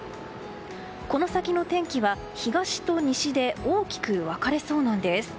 この先の天気は東と西で大きく分かれそうなんです。